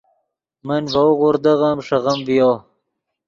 من ڤؤ غوردغیم ݰیغیم ڤیو